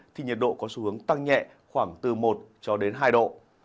thì nhiệt độ có xu hướng tăng nhẹ khoảng từ một hai độ